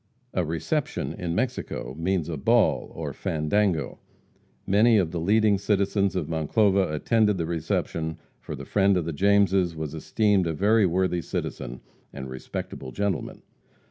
A reception in Mexico means a ball or fandango. Many of the leading citizens of Monclova attended the reception, for the friend of the Jameses was esteemed a very worthy citizen and respectable gentleman.